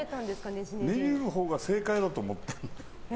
ねじるほうが正解だと思ってる。